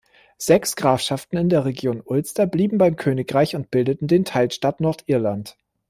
Sechs Grafschaften in der Region Ulster blieben beim Königreich und bildeten den Teilstaat Nordirland.